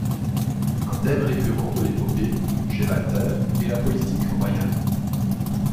Un thème récurrent de l’épopée chez Walther est la politique royale.